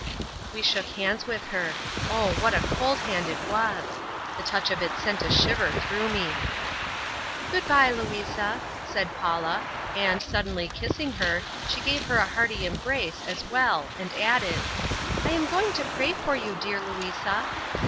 We shook hands with her. Oh, what a cold hand it was! The touch of it sent a shiver through me! "Goodbye, Louisa," said Paula, and suddenly kissing her, she gave her a hearty embrace as well and added, "I am going to pray for you, dear Louisa."